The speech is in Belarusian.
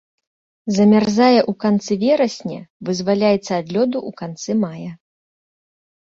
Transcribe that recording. Замярзае ў канцы верасня, вызваляецца ад лёду ў канцы мая.